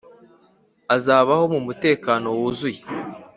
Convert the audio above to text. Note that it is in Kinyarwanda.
azabaho mu mutekano wuzuye